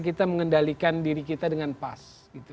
kita mengendalikan diri kita dengan pas